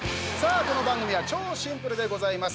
この番組は超シンプルでございます。